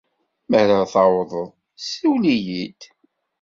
Mi ara tawḍeḍ, siwel-iyi-d.